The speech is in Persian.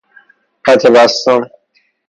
پته بستن